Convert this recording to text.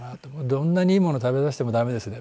どんなにいいもの食べさせてもダメですね